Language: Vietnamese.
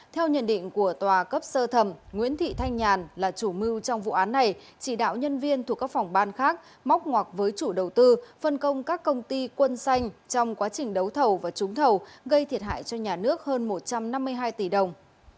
theo nhận định của tòa cấp sơ thẩm nguyễn thị thanh nhàn là chủ mưu trong vụ án này chỉ đạo nhân viên thuộc các phòng ban khác móc ngoặc với chủ đầu tư phân công các công ty quân xanh trong quá trình đấu thầu và trúng thầu gây thiệt hại cho nhà nước hơn một trăm năm mươi hai tỷ đồng